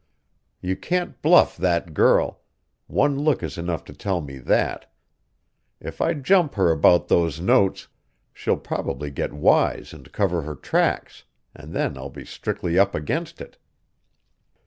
You can't bluff that girl; one look is enough to tell me that. If I jump her about those notes, she'll probably get wise and cover her tracks, and then I'll be strictly up against it."